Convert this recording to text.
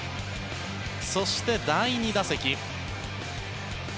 そして、第２打席。